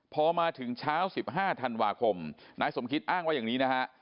พอมาถึงเช้า๑๕ธันวาคมนายสมคิตอ้างว่าอย่างนี้นะฮะ